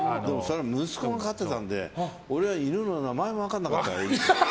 息子が飼ってたので俺は犬の名前も分からなかった。